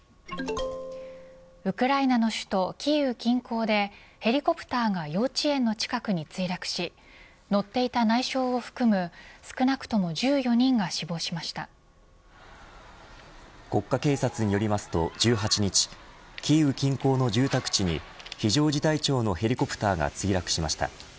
ウクライナの首都キーウ近郊でヘリコプターが幼稚園の近くに墜落し乗っていた内相を含む少なくとも１４人が国家警察によりますと１８日キーウ近郊の住宅地に非常事態庁のヘリコプターが墜落しました。